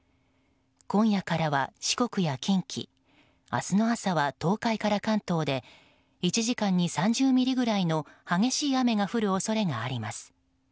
今夜からは四国や近畿明日の朝は東海から関東で１時間に３０ミリぐらいの激しい雨が降る恐れがあります。